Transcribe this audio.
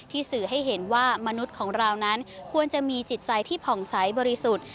สื่อให้เห็นว่ามนุษย์ของเรานั้นควรจะมีจิตใจที่ผ่องใสบริสุทธิ์